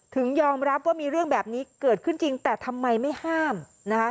ยอมรับว่ามีเรื่องแบบนี้เกิดขึ้นจริงแต่ทำไมไม่ห้ามนะคะ